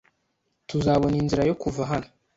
Tuzabona inzira yo kuva hano.